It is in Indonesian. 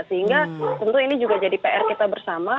sehingga tentu ini juga jadi pr kita bersama